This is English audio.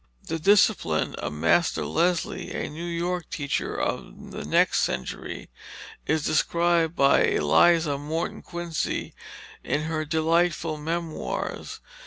The discipline of Master Leslie, a New York teacher of the next century, is described by Eliza Morton Quincy in her delightful Memoirs.